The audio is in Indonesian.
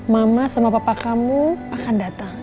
mama sama papa kamu akan datang